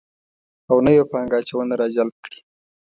او نوې پانګه اچونه راجلب کړي